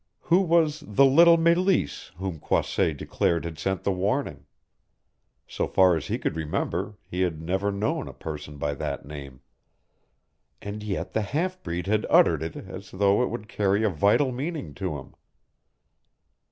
Who was "the little Meleese," whom Croisset declared had sent the warning? So far as he could remember he had never known a person by that name. And yet the half breed had uttered it as though it would carry a vital meaning to him.